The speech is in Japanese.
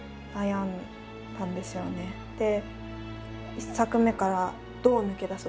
１作目からどう抜け出そう。